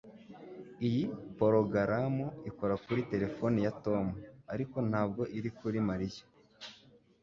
Iyi porogaramu ikora kuri terefone ya Tom, ariko ntabwo iri kuri Mariya.